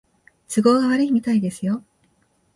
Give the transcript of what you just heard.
都合が悪いみたいですよ